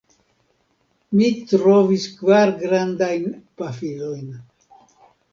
Mi trovis kvar grandajn pafilojn.